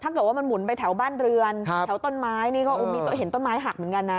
ถ้าเกิดว่ามันหมุนไปแถวบ้านเรือนแถวต้นไม้นี่ก็เห็นต้นไม้หักเหมือนกันนะ